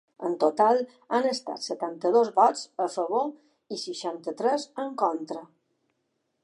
En total, han estat setanta-dos vots a favor i seixanta-tres en contra.